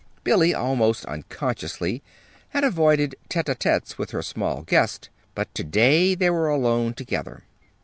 Billy, almost unconsciously, had avoided tête á têtes with her small guest. But to day they were alone together.